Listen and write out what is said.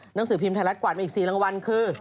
หนังสือพิมพ์ไทยรัฐกวาดมาอีก๔รางวัลคือ